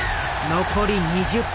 残り２０分